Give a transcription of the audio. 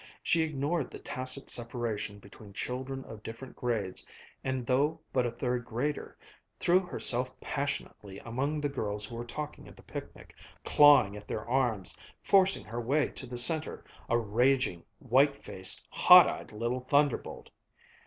She ignored the tacit separation between children of different grades and, though but a third grader, threw herself passionately among the girls who were talking of the picnic, clawing at their arms, forcing her way to the center, a raging, white faced, hot eyed little thunderbolt.